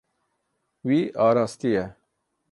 Wî arastiye.